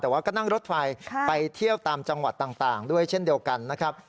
แต่ว่าก็นั่งรถไฟไปเที่ยวตามจังหวัดต่างด้วยเช่นเดียวกันนะครับ